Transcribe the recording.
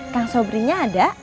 kang sobrinya ada